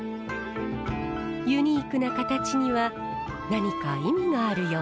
ユニークな形には何か意味があるようですが。